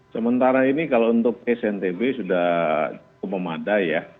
sementara ini kalau untuk sntb sudah cukup memadai ya